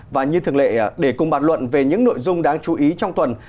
và như thường lệ để cùng bàn luận về những nội dung đáng chú ý trong tuần